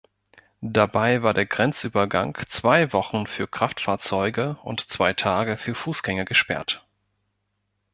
Dabei war der Grenzübergang zwei Wochen für Kraftfahrzeuge und zwei Tage für Fußgänger gesperrt.